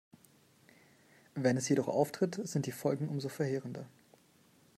Wenn es jedoch auftritt, sind die Folgen umso verheerender.